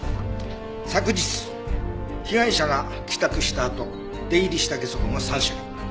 昨日被害者が帰宅したあと出入りしたゲソ痕は３種類。